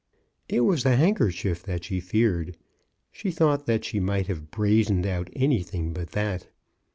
It was the handkerchief that she feared. She thought that she might have brazened out anything but that.